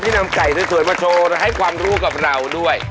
นำไก่สวยมาโชว์ให้ความรู้กับเราด้วย